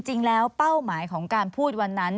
จริงแล้วเป้าหมายของการพูดวันนั้น